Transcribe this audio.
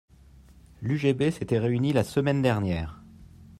L'UGB s'était réunie la semaine dernière.